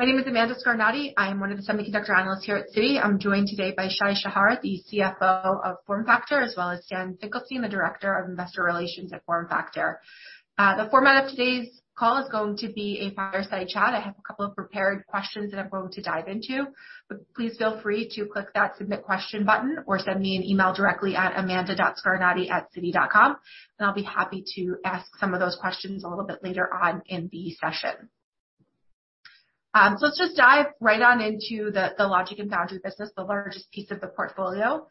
My name is Amanda Scarnati. I am one of the semiconductor analysts here at Citi. I'm joined today by Shai Shahar, the CFO of FormFactor, as well as Stan Finkelstein, the Director of Investor Relations at FormFactor. The format of today's call is going to be a fireside chat. I have a couple of prepared questions that I'm going to dive into, please feel free to click that submit question button or send me an email directly at amanda.scarnati@citi.com, and I'll be happy to ask some of those questions a little bit later on in the session. Let's just dive right on into the logic and foundry business, the largest piece of the portfolio.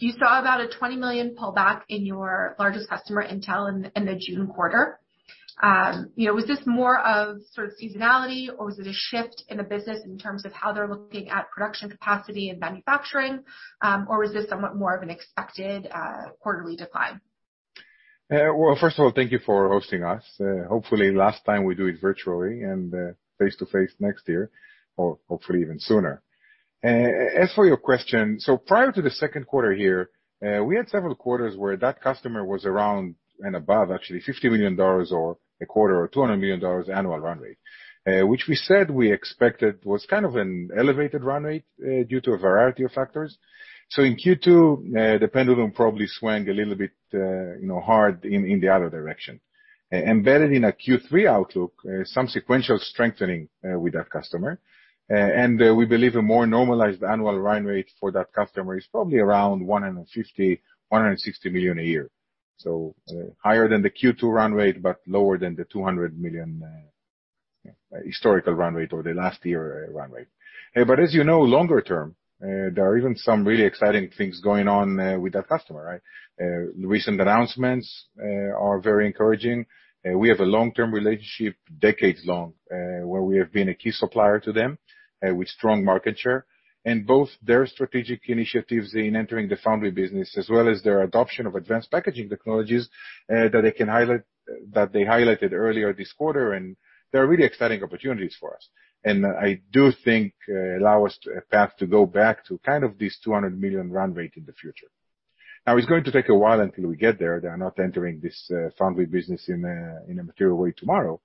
You saw about a $20 million pullback in your largest customer Intel in the June quarter. Was this more of sort of seasonality, or was it a shift in the business in terms of how they're looking at production capacity and manufacturing? Was this somewhat more of an expected quarterly decline? Well, first of all, thank you for hosting us. Hopefully last time we do it virtually, and face-to-face next year, or hopefully even sooner. As for your question, prior to the second quarter here, we had several quarters where that customer was around and above actually $50 million or a quarter or $200 million annual run rate, which we said we expected was kind of an elevated run rate due to a variety of factors. In Q2, the pendulum probably swang a little bit hard in the other direction. Embedded in a Q3 outlook, some sequential strengthening with that customer, and we believe a more normalized annual run rate for that customer is probably around $150 million, $160 million a year. Higher than the Q2 run rate, but lower than the $200 million historical run rate or the last year run rate. As you know, longer term, there are even some really exciting things going on with that customer, right? Recent announcements are very encouraging. We have a long-term relationship, decades long, where we have been a key supplier to them, with strong market share and both their strategic initiatives in entering the foundry business, as well as their adoption of advanced packaging technologies that they highlighted earlier this quarter, and they are really exciting opportunities for us, and I do think allow us a path to go back to kind of this $200 million run rate in the future. Now, it's going to take a while until we get there. They are not entering this foundry business in a material way tomorrow.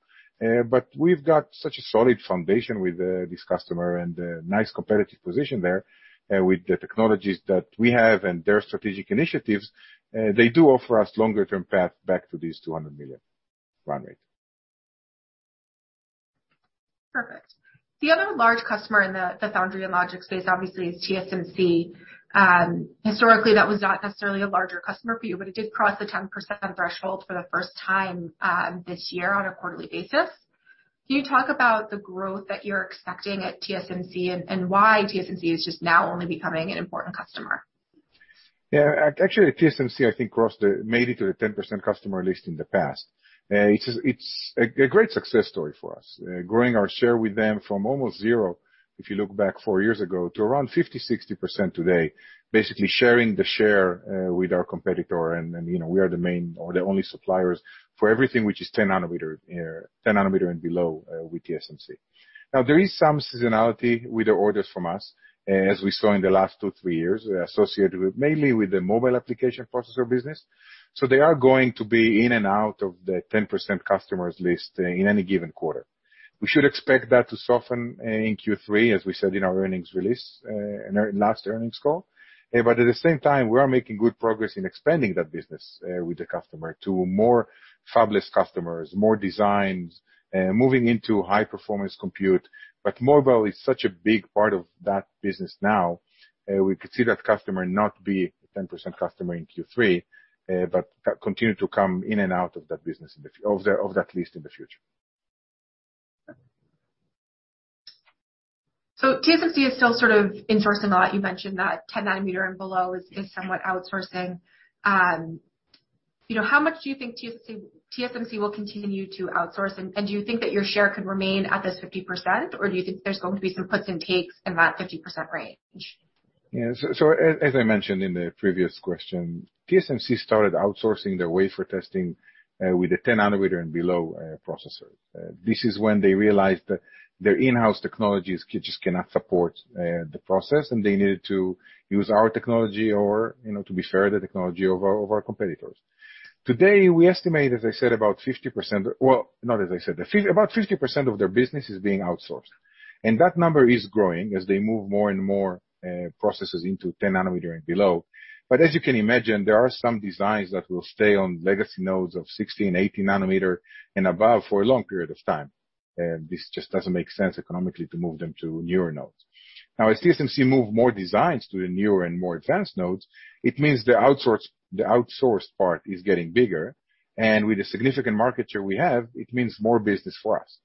We've got such a solid foundation with this customer and a nice competitive position there with the technologies that we have and their strategic initiatives, they do offer us longer term path back to this $200 million run rate. Perfect. The other large customer in the foundry and logic space, obviously is TSMC. Historically, that was not necessarily a larger customer for you, but it did cross the 10% threshold for the first time this year on a quarterly basis. Can you talk about the growth that you're expecting at TSMC, and why TSMC is just now only becoming an important customer? Yeah. Actually, TSMC, I think, made it to the 10% customer list in the past. It's a great success story for us, growing our share with them from almost zero, if you look back four years ago, to around 50%-60% today, basically sharing the share with our competitor. We are the main or the only suppliers for everything, which is 10 nm and below with TSMC. Now, there is some seasonality with the orders from us, as we saw in the last two, three years, associated mainly with the mobile application processor business. They are going to be in and out of the 10% customers list in any given quarter. We should expect that to soften in Q3, as we said in our earnings release, in our last earnings call. At the same time, we are making good progress in expanding that business with the customer to more fabless customers, more designs, moving into high-performance compute. Mobile is such a big part of that business now. We could see that customer not be a 10% customer in Q3, but continue to come in and out of that business of that list in the future. TSMC is still sort of in-sourcing a lot. You mentioned that 10 nm and below is somewhat outsourcing. How much do you think TSMC will continue to outsource, and do you think that your share could remain at this 50%, or do you think there's going to be some puts and takes in that 50% range? Yeah. As I mentioned in the previous question, TSMC started outsourcing their wafer testing with the 10 nm and below processors. This is when they realized that their in-house technologies just cannot support the process, and they needed to use our technology, or to be fair, the technology of our competitors. Today, we estimate, as I said, about 50%-- well, not as I said. About 50% of their business is being outsourced, and that number is growing as they move more and more processes into 10 nm and below. As you can imagine, there are some designs that will stay on legacy nodes of 16 nm, 18 nm and above for a long period of time. This just doesn't make sense economically to move them to newer nodes. Now, as TSMC move more designs to the newer and more advanced nodes, it means the outsourced part is getting bigger, and with the significant market share we have, it means more business for us.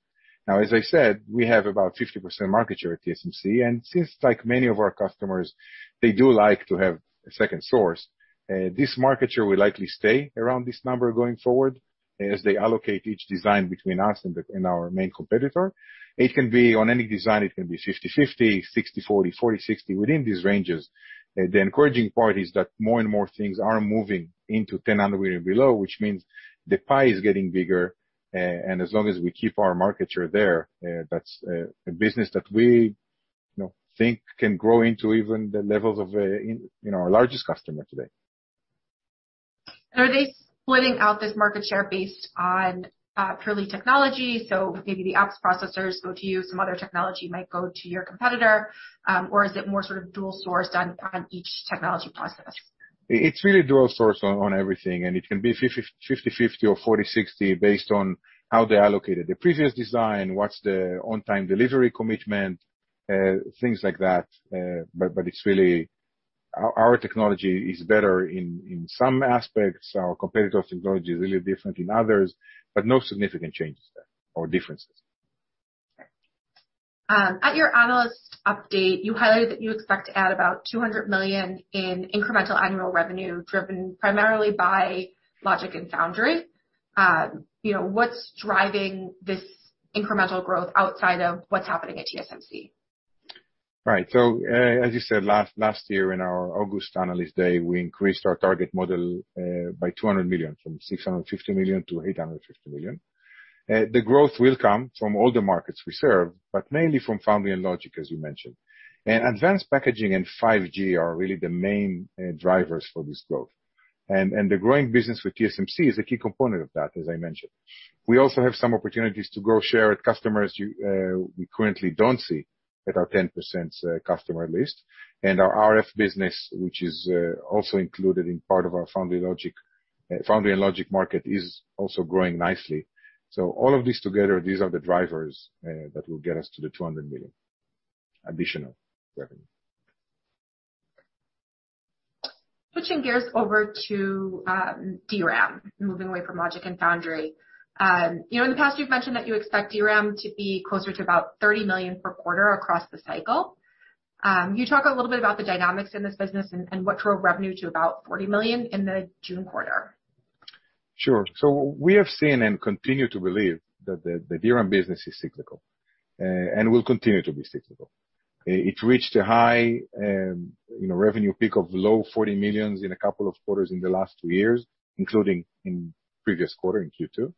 Now, as I said, we have about 50% market share at TSMC, and since like many of our customers, they do like to have a second source, this market share will likely stay around this number going forward as they allocate each design between us and our main competitor. It can be on any design. It can be 50/50, 60/40, 40/60, within these ranges. The encouraging part is that more and more things are moving into 10 nm and below, which means the pie is getting bigger, and as long as we keep our market share there, that's a business that we think can grow into even the levels of our largest customer today. Are they splitting out this market share based on purely technology? Maybe the apps processors go to you, some other technology might go to your competitor, or is it more sort of dual sourced on each technology process? It's really dual source on everything, and it can be 50/50 or 40/60 based on how they allocated the previous design, what's the on-time delivery commitment, things like that. Our technology is better in some aspects. Our competitor's technology is really different in others, but no significant changes there or differences. At your Analyst update, you highlighted that you expect to add about $200 million in incremental annual revenue, driven primarily by logic and foundry. What's driving this incremental growth outside of what's happening at TSMC? Right. As you said, last year in our August Analyst Day, we increased our target model by $200 million, from $650 million to $850 million. The growth will come from all the markets we serve, but mainly from foundry and logic, as you mentioned. Advanced packaging and 5G are really the main drivers for this growth. The growing business with TSMC is a key component of that, as I mentioned. We also have some opportunities to grow share at customers we currently don't see at our 10% customer list. Our RF business, which is also included in part of our foundry and logic market, is also growing nicely. All of these together, these are the drivers that will get us to the $200 million additional revenue. Switching gears over to DRAM, moving away from logic and foundry. In the past, you've mentioned that you expect DRAM to be closer to about $30 million per quarter across the cycle. Can you talk a little bit about the dynamics in this business and what drove revenue to about $40 million in the June quarter? Sure. We have seen and continue to believe that the DRAM business is cyclical and will continue to be cyclical. It reached a high revenue peak of low $40 million in a couple of quarters in the last two years, including in previous quarter, in Q2.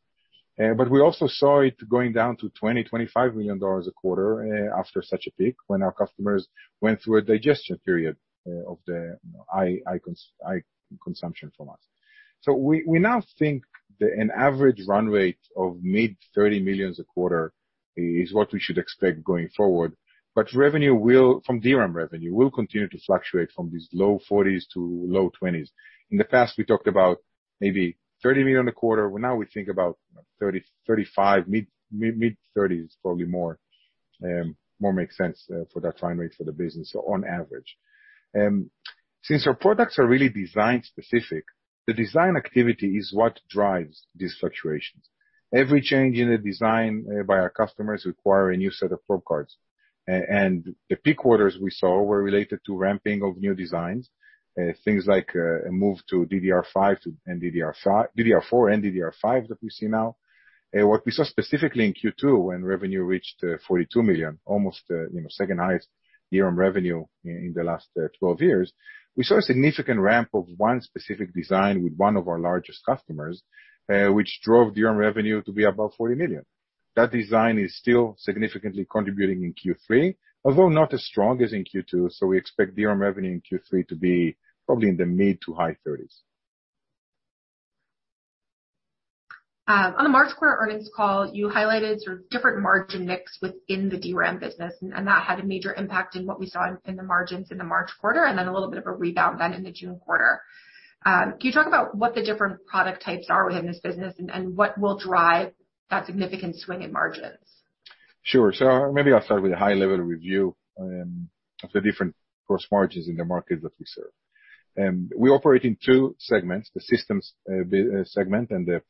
We also saw it going down to $20 million, $25 million a quarter after such a peak when our customers went through a digestion period of the I-consumption from us. We now think an average run rate of mid-$30 million a quarter is what we should expect going forward. From DRAM revenue, will continue to fluctuate from these low $40s to low $20s. In the past, we talked about maybe $30 million a quarter, where now we think about $30, $35, mid-$30s probably more makes sense for that run rate for the business on average. Since our products are really design-specific, the design activity is what drives these fluctuations. Every change in the design by our customers require a new set of probe cards, and the peak quarters we saw were related to ramping of new designs, things like a move to DDR4 and DDR5 that we see now. What we saw specifically in Q2, when revenue reached $42 million, almost the second highest year on revenue in the last 12 years, we saw a significant ramp of one specific design with one of our largest customers, which drove DRAM revenue to be above $40 million. That design is still significantly contributing in Q3, although not as strong as in Q2, we expect DRAM revenue in Q3 to be probably in the mid to high $30s. On the March quarter earnings call, you highlighted different margin mix within the DRAM business, and that had a major impact in what we saw in the margins in the March quarter, and then a little bit of a rebound then in the June quarter. Can you talk about what the different product types are within this business and, what will drive that significant swing in margins? Sure. Maybe I'll start with a high-level review of the different gross margins in the markets that we serve. We operate in two segments, the systems segment and the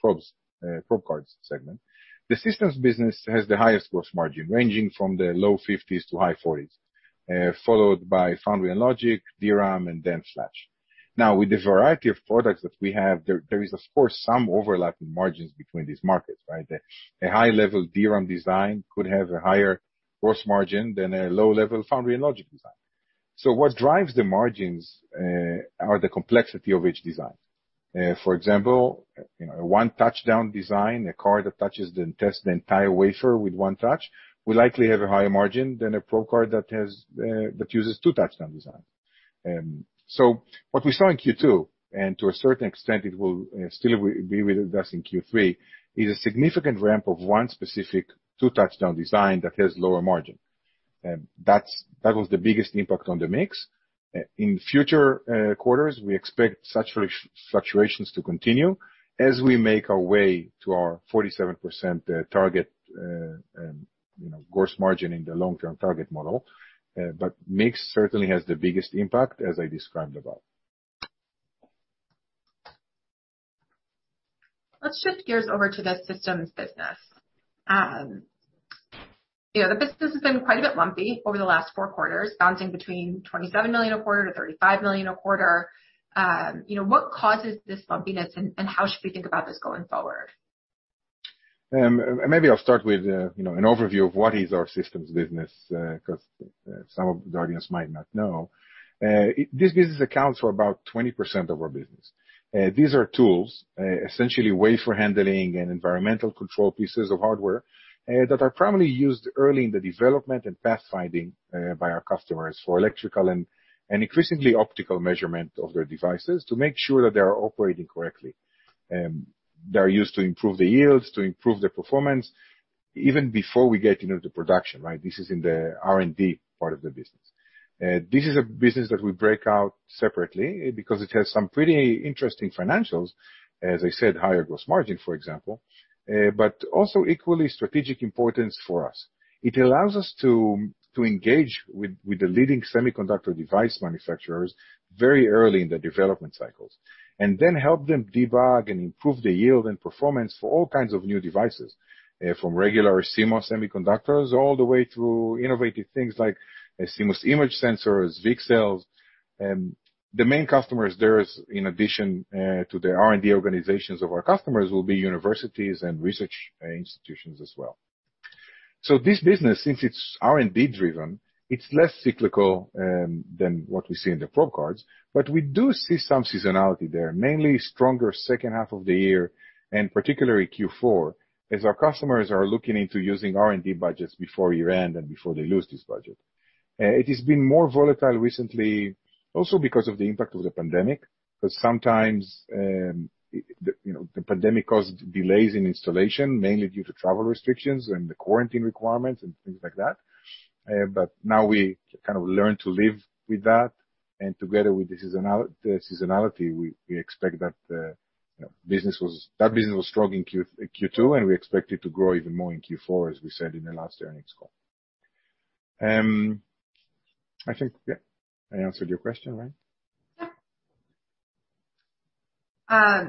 probe cards segment. The systems business has the highest gross margin, ranging from the low 50s to high 40s, followed by foundry and logic, DRAM, and then flash. With the variety of products that we have, there is of course some overlap in margins between these markets, right? A high-level DRAM design could have a higher gross margin than a low-level foundry and logic design. What drives the margins are the complexity of each design. For example, a one touchdown design, a card that touches and tests the entire wafer with one touch, will likely have a higher margin than a probe card that uses two touchdown designs. What we saw in Q2, and to a certain extent it will still be with us in Q3, is a significant ramp of one specific two touchdown design that has lower margin. That was the biggest impact on the mix. In future quarters, we expect such fluctuations to continue as we make our way to our 47% target gross margin in the long-term target model. Mix certainly has the biggest impact, as I described above. Let's shift gears over to the systems business. The business has been quite a bit lumpy over the last four quarters, bouncing between $27 million a quarter-$35 million a quarter. What causes this lumpiness, and how should we think about this going forward? Maybe I'll start with an overview of what is our systems business, because some of the audience might not know. This business accounts for about 20% of our business. These are tools, essentially wafer handling and environmental control pieces of hardware, that are primarily used early in the development and pathfinding by our customers for electrical and increasingly optical measurement of their devices to make sure that they are operating correctly. They are used to improve the yields, to improve the performance, even before we get into the production. This is in the R&D part of the business. This is a business that we break out separately because it has some pretty interesting financials, as I said, higher gross margin, for example, but also equally strategic importance for us. It allows us to engage with the leading semiconductor device manufacturers very early in the development cycles, and then help them debug and improve the yield and performance for all kinds of new devices, from regular CMOS semiconductors all the way to innovative things like CMOS image sensors, VCSELs. The main customers there, in addition to the R&D organizations of our customers, will be universities and research institutions as well. This business, since it's R&D driven, it's less cyclical than what we see in the probe cards. We do see some seasonality there, mainly stronger second half of the year, and particularly Q4, as our customers are looking into using R&D budgets before year-end and before they lose this budget. It has been more volatile recently also because of the impact of the pandemic, because sometimes the pandemic caused delays in installation, mainly due to travel restrictions and the quarantine requirements and things like that. Now we kind of learn to live with that and together with the seasonality, that business was strong in Q2, and we expect it to grow even more in Q4, as we said in the last earnings call. I think, yeah, I answered your question, right? Yeah.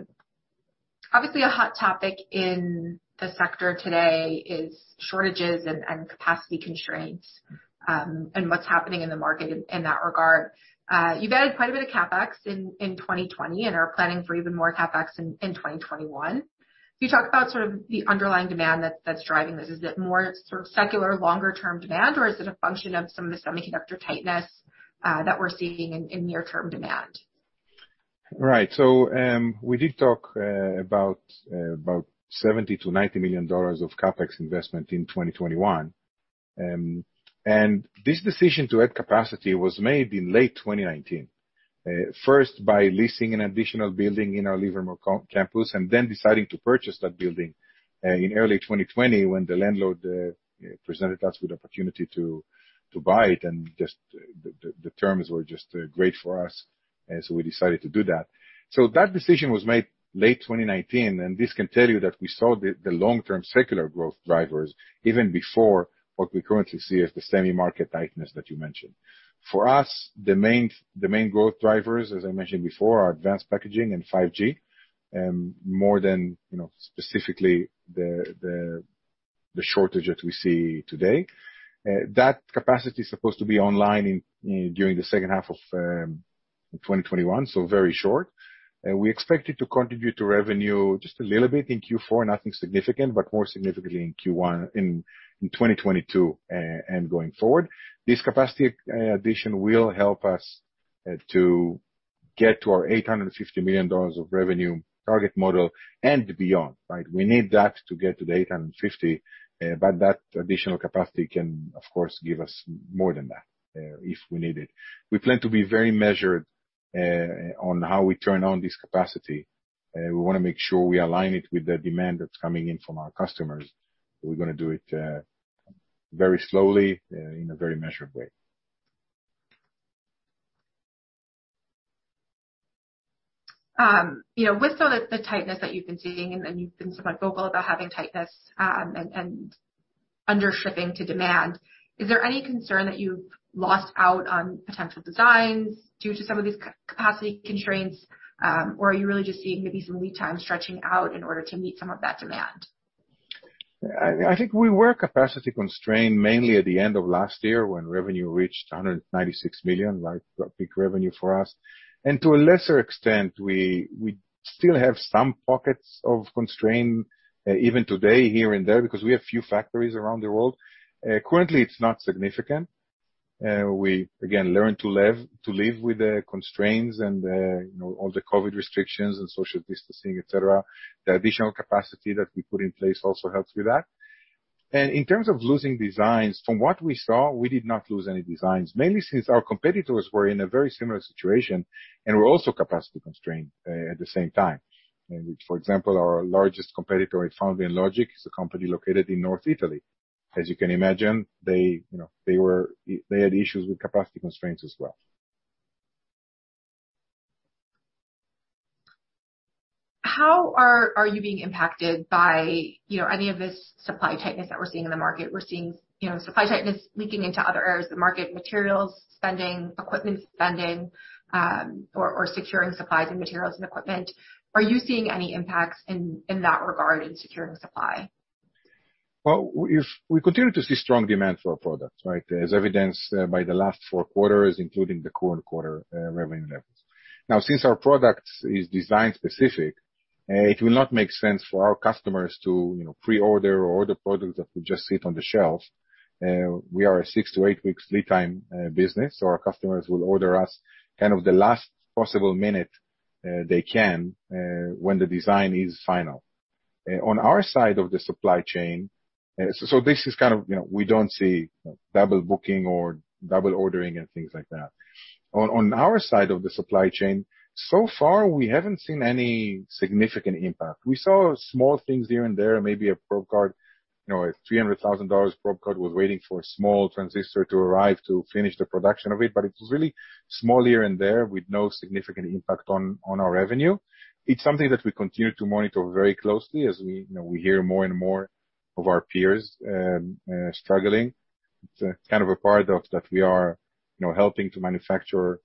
Obviously, a hot topic in the sector today is shortages and capacity constraints, and what's happening in the market in that regard. You've added quite a bit of CapEx in 2020 and are planning for even more CapEx in 2021. Can you talk about sort of the underlying demand that's driving this? Is it more sort of secular longer-term demand, or is it a function of some of the semiconductor tightness that we're seeing in near-term demand? We did talk about $70 million-$90 million of CapEx investment in 2021. This decision to add capacity was made in late 2019, first by leasing an additional building in our Livermore campus, and then deciding to purchase that building in early 2020 when the landlord presented us with the opportunity to buy it, and the terms were just great for us, and so we decided to do that. That decision was made late 2019, and this can tell you that we saw the long-term secular growth drivers even before what we currently see as the semi market tightness that you mentioned. For us, the main growth drivers, as I mentioned before, are advanced packaging and 5G, more than specifically the shortage that we see today. That capacity is supposed to be online during the second half of 2021, so very short. We expect it to contribute to revenue just a little bit in Q4, nothing significant, but more significantly in 2022 and going forward. This capacity addition will help us to get to our $850 million of revenue target model and beyond. We need that to get to the $850 million, but that additional capacity can, of course, give us more than that if we need it. We plan to be very measured on how we turn on this capacity. We want to make sure we align it with the demand that's coming in from our customers. We're going to do it very slowly in a very measured way. With some of the tightness that you've been seeing, and you've been vocal about having tightness and under-shipping to demand, is there any concern that you've lost out on potential designs due to some of these capacity constraints? Or are you really just seeing maybe some lead time stretching out in order to meet some of that demand? I think we were capacity constrained mainly at the end of last year when revenue reached $196 million, peak revenue for us. To a lesser extent, we still have some pockets of constraint even today, here and there, because we have few factories around the world. Currently, it's not significant. We, again, learn to live with the constraints and all the COVID restrictions and social distancing, et cetera. The additional capacity that we put in place also helps with that. In terms of losing designs, from what we saw, we did not lose any designs, mainly since our competitors were in a very similar situation and were also capacity constrained at the same time. For example, our largest competitor, Foundry and Logic, is a company located in North Italy. As you can imagine, they had issues with capacity constraints as well. How are you being impacted by any of this supply tightness that we're seeing in the market? We're seeing supply tightness leaking into other areas of the market, materials spending, equipment spending, or securing supplies and materials and equipment. Are you seeing any impacts in that regard in securing supply? Well, we continue to see strong demand for our products, as evidenced by the last four quarters, including the current quarter revenue levels. Since our product is design-specific, it will not make sense for our customers to pre-order or order products that will just sit on the shelves. We are a six to eight weeks lead time business, so our customers will order us the last possible minute they can when the design is final. On our side of the supply chain, we don't see double booking or double ordering and things like that. On our side of the supply chain, so far, we haven't seen any significant impact. We saw small things here and there, maybe a probe card, a $300,000 probe card was waiting for a small transistor to arrive to finish the production of it, but it was really small here and there with no significant impact on our revenue. It's something that we continue to monitor very closely as we hear more and more of our peers struggling. It's kind of a part that we are helping to manufacture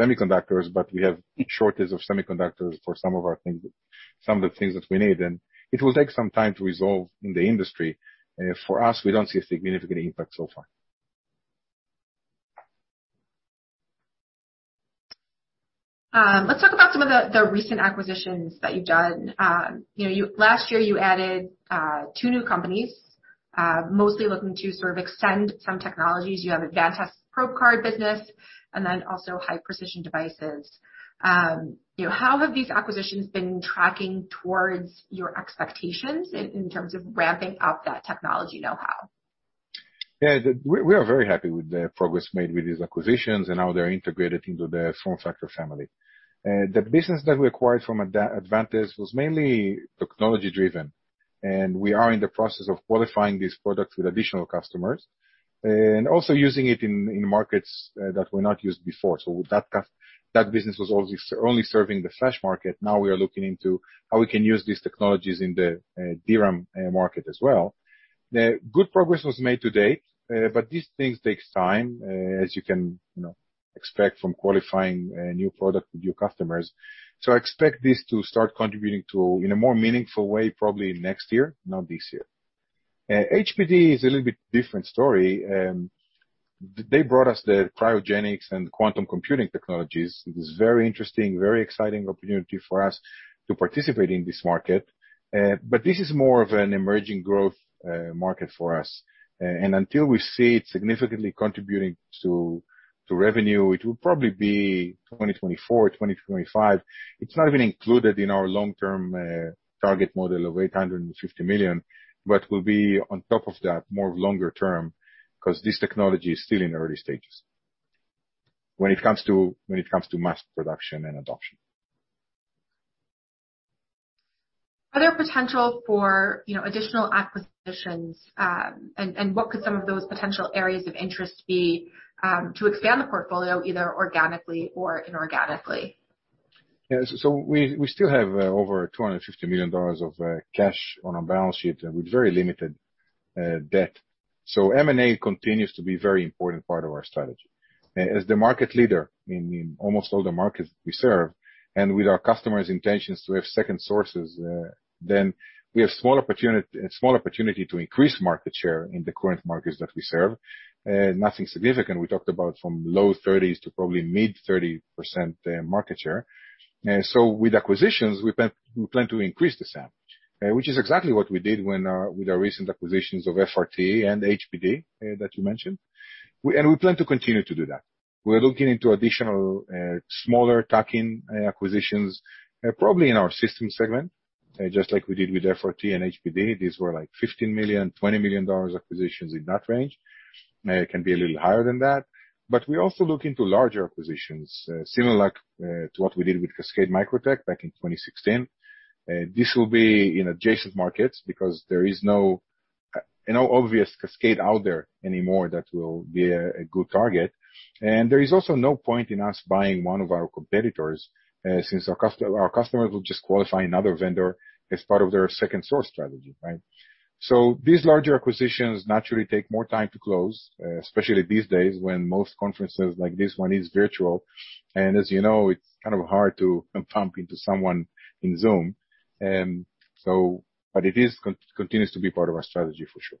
semiconductors, but we have a shortage of semiconductors for some of the things that we need, and it will take some time to resolve in the industry. For us, we don't see a significant impact so far. Let's talk about some of the recent acquisitions that you've done. Last year, you added two new companies, mostly looking to sort of extend some technologies. You have Advantest probe card business and then also High Precision Devices. How have these acquisitions been tracking towards your expectations in terms of ramping up that technology know-how? Yeah. We are very happy with the progress made with these acquisitions and how they're integrated into the FormFactor family. The business that we acquired from Advantest was mainly technology-driven, and we are in the process of qualifying these products with additional customers, and also using it in markets that were not used before. That business was only serving the flash market. Now we are looking into how we can use these technologies in the DRAM market as well. Good progress was made to date, but these things take time, as you can expect from qualifying a new product with new customers. I expect this to start contributing in a more meaningful way probably next year, not this year. HPD is a little bit different story. They brought us the cryogenics and quantum computing technologies. It is very interesting, very exciting opportunity for us to participate in this market. This is more of an emerging growth market for us. Until we see it significantly contributing to revenue, it will probably be 2024, 2025. It's not even included in our long-term target model of $850 million, but will be on top of that, more longer term, because this technology is still in early stages when it comes to mass production and adoption. Are there potential for additional acquisitions? What could some of those potential areas of interest be to expand the portfolio, either organically or inorganically? We still have over $250 million of cash on our balance sheet with very limited debt. M&A continues to be very important part of our strategy. As the market leader in almost all the markets we serve, and with our customers' intentions to have second sources, we have small opportunity to increase market share in the current markets that we serve. Nothing significant. We talked about from low 30% to probably mid-30% market share. With acquisitions, we plan to increase the share, which is exactly what we did with our recent acquisitions of FRT and HPD, that you mentioned. We plan to continue to do that. We're looking into additional, smaller tuck-in acquisitions, probably in our system segment, just like we did with FRT and HPD. These were like $15 million, $20 million acquisitions, in that range. Can be a little higher than that. We also look into larger acquisitions, similar to what we did with Cascade Microtech back in 2016. This will be in adjacent markets because there is no obvious Cascade out there anymore that will be a good target. There is also no point in us buying one of our competitors, since our customers will just qualify another vendor as part of their second source strategy, right? These larger acquisitions naturally take more time to close, especially these days when most conferences like this one is virtual. As you know, it's kind of hard to bump into someone in Zoom. It continues to be part of our strategy, for sure.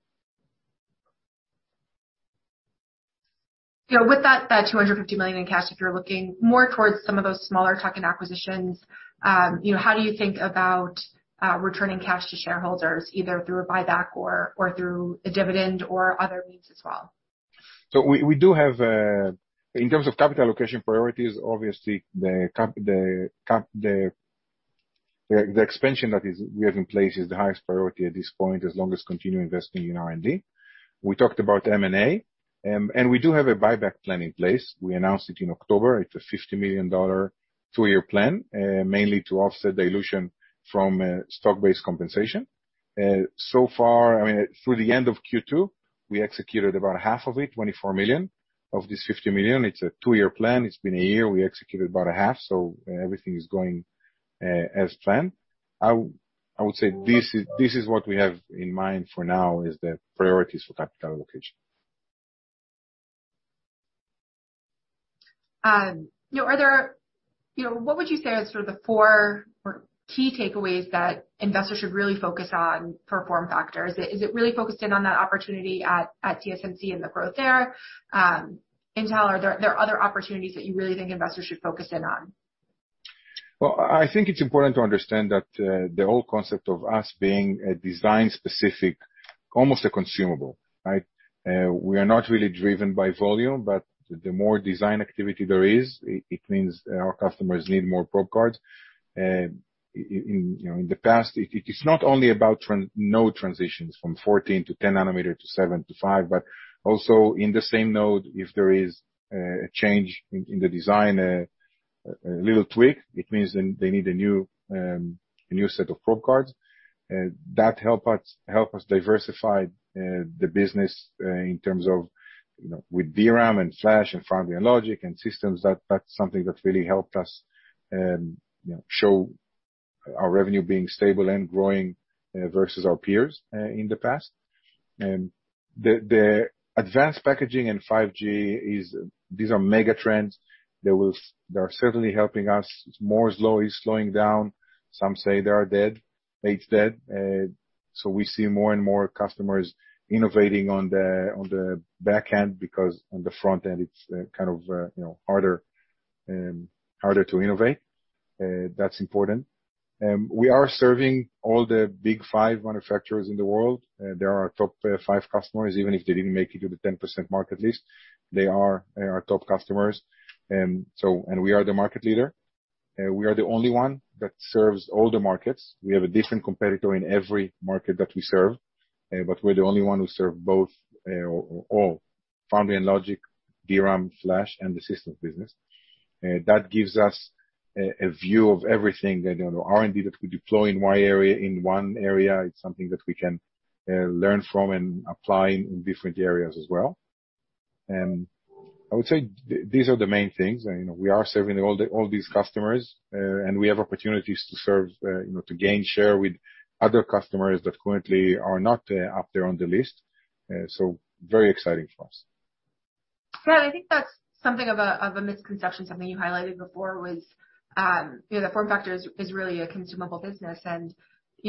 With that $250 million in cash, if you're looking more towards some of those smaller tuck-in acquisitions, how do you think about returning cash to shareholders, either through a buyback or through a dividend or other means as well? We do have, in terms of capital allocation priorities, obviously the expansion that we have in place is the highest priority at this point, as long as continue investing in R&D. We talked about M&A, and we do have a buyback plan in place. We announced it in October. It's a $50 million two-year plan, mainly to offset dilution from stock-based compensation. So far, through the end of Q2, we executed about half of it, $24 million of this $50 million. It's a two-year plan. It's been one year. We executed about a half, everything is going as planned. I would say this is what we have in mind for now is the priorities for capital allocation. What would you say are sort of the four key takeaways that investors should really focus on for FormFactor? Is it really focused in on that opportunity at TSMC and the growth there, Intel? Are there other opportunities that you really think investors should focus in on? I think it's important to understand that the whole concept of us being a design specific, almost a consumable. We are not really driven by volume, but the more design activity there is, it means our customers need more probe cards. In the past, it is not only about node transitions from 14 nm to 10 nm to 7 nm to 5 nm, but also in the same node, if there is a change in the design, a little tweak, it means they need a new set of probe cards. That help us diversify the business in terms of with DRAM and flash and foundry and logic and systems. That's something that really helped us show our revenue being stable and growing versus our peers in the past. The advanced packaging and 5G, these are mega trends. They are certainly helping us. Moore's law is slowing down. Some say they are dead, it's dead. We see more and more customers innovating on the back end because on the front end, it's harder to innovate. That's important. We are serving all the big five manufacturers in the world. They're our top five customers, even if they didn't make it to the 10% mark at least, they are our top customers. We are the market leader. We are the only one that serves all the markets. We have a different competitor in every market that we serve. We're the only one who serve both or all, foundry and logic, DRAM, flash, and the systems business. That gives us a view of everything that R&D that we deploy in one area, it's something that we can learn from and apply in different areas as well. I would say these are the main things. We are serving all these customers, and we have opportunities to gain share with other customers that currently are not up there on the list. Very exciting for us. Yeah, I think that's something of a misconception, something you highlighted before was that FormFactor is really a consumable business. A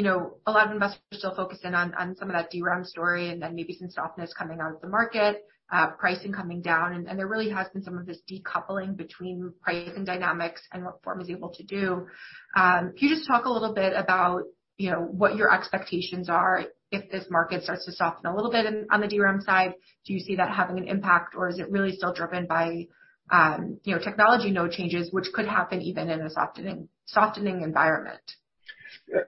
lot of investors still focus in on some of that DRAM story and then maybe some softness coming out of the market, pricing coming down, and there really has been some of this decoupling between pricing dynamics and what Form is able to do. Can you just talk a little bit about what your expectations are if this market starts to soften a little bit on the DRAM side? Do you see that having an impact or is it really still driven by technology node changes which could happen even in a softening environment?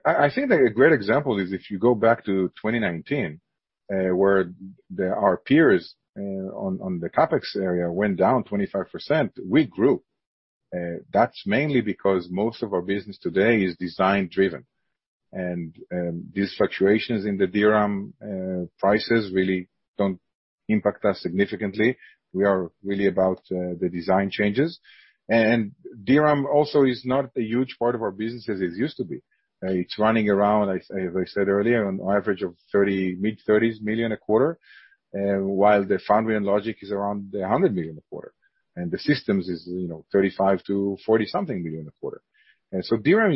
I think that a great example is if you go back to 2019, where our peers on the CapEx area went down 25%, we grew. That's mainly because most of our business today is design driven, and these fluctuations in the DRAM prices really don't impact us significantly. We are really about the design changes. DRAM also is not a huge part of our business as it used to be. It's running around, as I said earlier, on average of mid-$30 million a quarter, while the foundry and logic is around the $100 million a quarter, and the systems is $35 million-$40 million a quarter. DRAM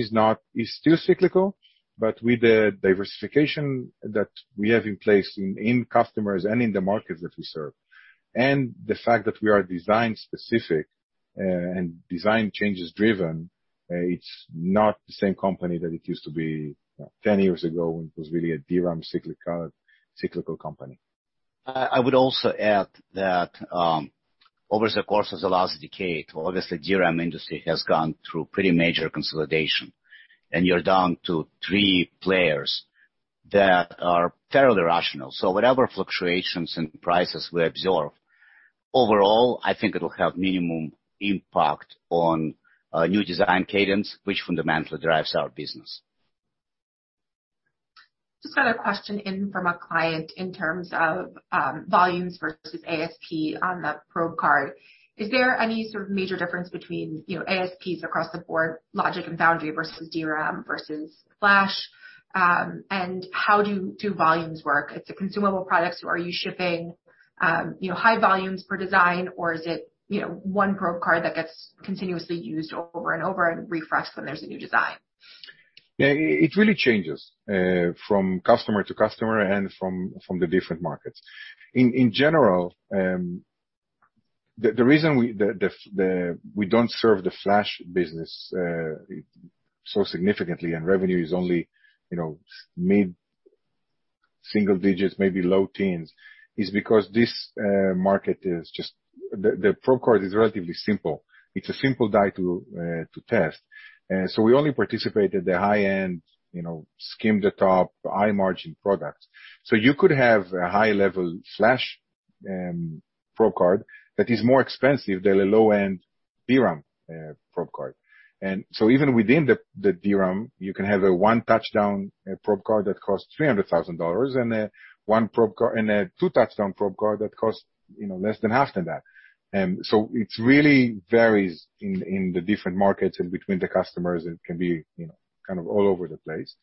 is still cyclical, but with the diversification that we have in place in customers and in the markets that we serve, and the fact that we are design specific and design changes driven, it's not the same company that it used to be 10 years ago when it was really a DRAM cyclical company. I would also add that over the course of the last decade, obviously DRAM industry has gone through pretty major consolidation, and you're down to three players that are fairly rational. Whatever fluctuations in prices we absorb, overall, I think it'll have minimum impact on new design cadence, which fundamentally drives our business. Just got a question in from a client in terms of volumes versus ASP on the probe card. Is there any sort of major difference between ASPs across the board, logic and foundry versus DRAM versus flash? How do volumes work? It's a consumable product, so are you shipping high volumes per design or is it one probe card that gets continuously used over and over and refreshed when there's a new design? It really changes from customer to customer and from the different markets. In general, the reason we don't serve the flash so significantly and revenue is only mid-single digits, maybe low teens, is because this market is just the probe card is relatively simple. It's a simple die to test. We only participate at the high end, skim the top, high margin products. You could have a high-level flash probe card that is more expensive than a low-end DRAM probe card. Even within the DRAM, you can have a one touchdown probe card that costs $300,000 and a two touchdown probe card that costs less than half than that. It really varies in the different markets and between the customers, and it can be kind of all over the place.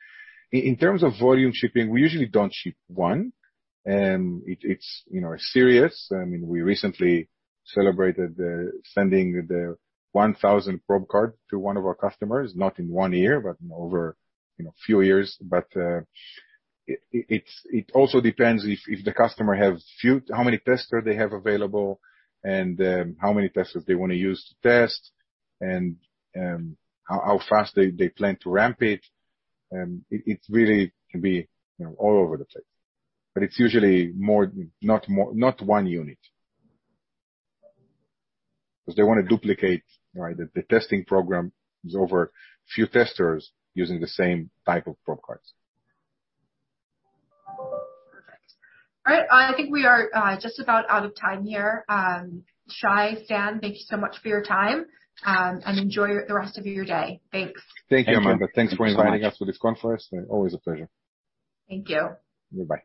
In terms of volume shipping, we usually don't ship one. It's serious. We recently celebrated sending the 1,000th probe card to one of our customers, not in one year, but over a few years. It also depends if the customer have how many tester they have available and how many testers they want to use to test and how fast they plan to ramp it. It really can be all over the place, but it's usually not one unit. They want to duplicate the testing program is over few testers using the same type of probe cards. Perfect. All right. I think we are just about out of time here. Shai, Stan, thank you so much for your time, and enjoy the rest of your day. Thanks. Thank you, Amanda. Thanks for inviting us for this conference. Always a pleasure. Thank you. Bye-bye.